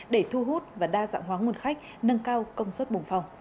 để thu hút và đa dạng hóa nguồn khách nâng cao công suất bùng phòng